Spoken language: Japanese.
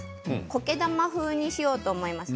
こけ玉風にしようと思います。